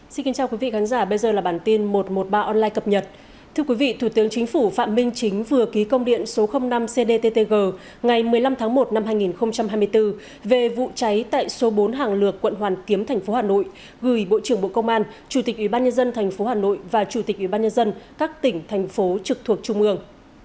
xin kính chào quý vị khán giả bây giờ là bản tin một trăm một mươi ba online cập nhật thưa quý vị thủ tướng chính phủ phạm minh chính vừa ký công điện số năm cdttg ngày một mươi năm tháng một năm hai nghìn hai mươi bốn về vụ cháy tại số bốn hàng lược quận hoàn kiếm thành phố hà nội gửi bộ trưởng bộ công an chủ tịch ubnd thành phố hà nội và chủ tịch ubnd các tỉnh thành phố trực thuộc trung ương